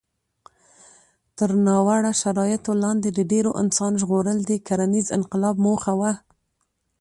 تر ناوړه شرایطو لاندې د ډېرو انسان ژغورل د کرنيز انقلاب موخه وه.